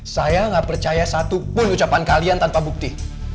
saya gak percaya satu pun ucapan kalian tanpa bukti